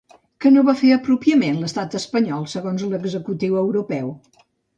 Què no va fer apropiadament l'estat espanyol segons l'executiu europeu?